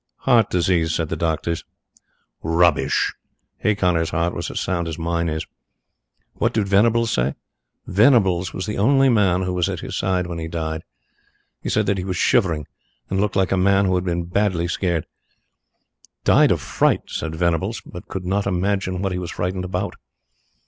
'Heart disease,' said the doctors. Rubbish! Hay Connor's heart was as sound as mine is. What did Venables say? Venables was the only man who was at his side when he died. He said that he was shivering and looked like a man who had been badly scared. 'Died of fright,' said Venables, but could not imagine what he was frightened about.